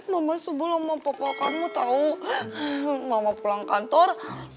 mama sebelum papa kamu tau mama pulang kantor